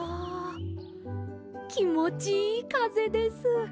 きもちいいかぜです。